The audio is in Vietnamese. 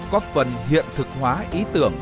có phần hiện thực hóa ý tưởng